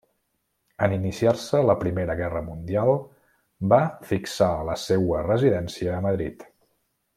En iniciar-se la Primera Guerra Mundial va fixar la seua residència a Madrid.